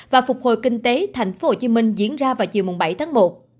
và phục hồi kinh tế tp hcm diễn ra vào chiều bảy tháng một